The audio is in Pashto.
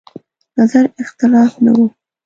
نظر اختلاف نه و.